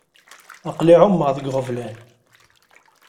Aql-i εummeɣ deg iɣeblan.